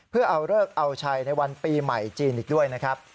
เพื่อเอาเลิกเอาชัยในวันปีใหม่จีนอีกด้วยนะครับ